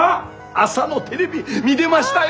朝のテレビ見でましたよ！